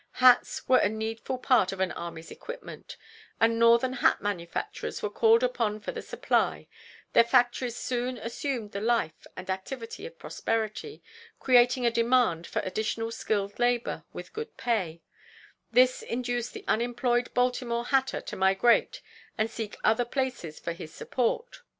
Hats were a needful part of an army's equipment, and Northern hat manufacturers were called upon for the supply; their factories soon assumed the life and activity of prosperity, creating a demand for additional skilled labor with good pay; this induced the unemployed Baltimore hatter to migrate and seek other places for his support.